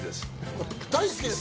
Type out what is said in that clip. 大好きです。